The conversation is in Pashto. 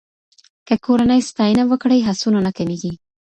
که کورنۍ ستاینه وکړي، هڅونه نه کمېږي.